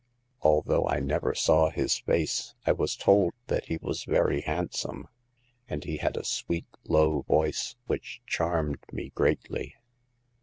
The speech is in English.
Al though I never saw his face, I was told that he was very handsome; and he had a sweet low voice, which charmed me greatly.